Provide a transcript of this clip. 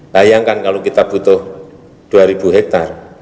bayangkan kalau kita butuh dua ribu hektare